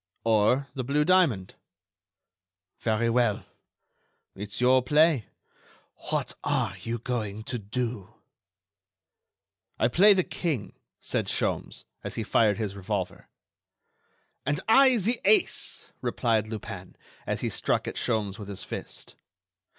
"Or the blue diamond." "Very well. It's your play. What are you going to do?" "I play the king," said Sholmes, as he fired his revolver. "And I the ace," replied Lupin, as he struck at Sholmes with his fist.